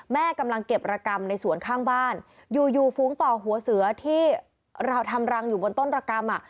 แม่กำลังเก็บระกรรมในสวนข้างบ้านอยู่อยู่ฝูงต่อหัวเสือที่เราทำรังอยู่บนต้นระกรรมอ่ะ